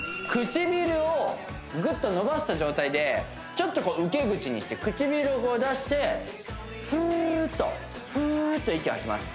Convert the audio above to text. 唇をぐっと伸ばした状態でちょっとこう受け口にして唇をこう出してフーッとフーッと息を吐きます